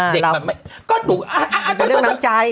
เป็นเรื่องน้ำใจ